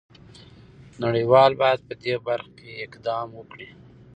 نړۍ وال باید په دې برخه کې اقدام وکړي.